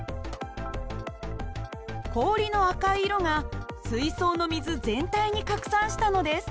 氷の赤い色が水槽の水全体に拡散したのです。